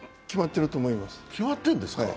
決まってると思います。